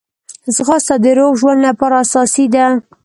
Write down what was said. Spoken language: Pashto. ځغاسته د روغ ژوند لپاره اساسي ده